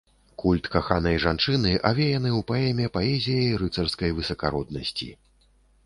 Культ каханай жанчыны авеяны ў паэме паэзіяй рыцарскай высакароднасці.